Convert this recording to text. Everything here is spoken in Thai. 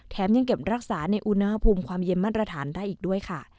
ยังเก็บรักษาในอุณหภูมิความเย็นมาตรฐานได้อีกด้วยค่ะ